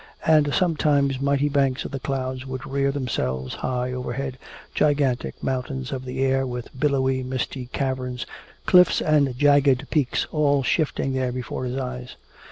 And sometimes mighty banks of clouds would rear themselves high overhead, gigantic mountains of the air with billowy, misty caverns, cliffs and jagged peaks, all shifting there before his eyes.